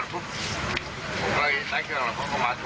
ถูกไหลไม่ได้พอผมนั่งนั่นปุ๊บ